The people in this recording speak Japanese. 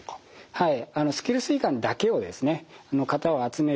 はい。